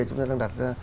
chúng ta đang đặt